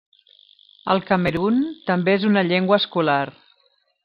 Al Camerun també és una llengua escolar.